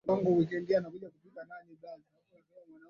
Mimi sina uwezo